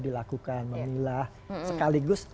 dilakukan memilah sekaligus